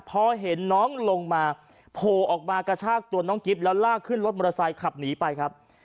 พอเห็นน้องลงมาโผล่ออกมากระชากตัวน้องกิ๊บแล้วลากขึ้นรถมอเตอร์ไซค์ขับหนีไปครับ